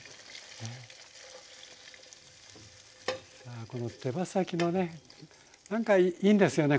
あこの手羽先のねなんかいいんですよね